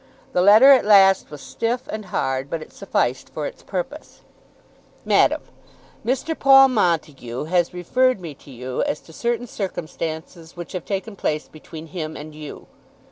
The letter at last was stiff and hard, but it sufficed for its purpose. MADAM, Mr. Paul Montague has referred me to you as to certain circumstances which have taken place between him and you.